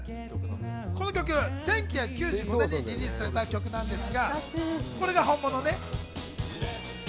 この曲、１９９５年にリリースされた曲なんですが、これが本物ね。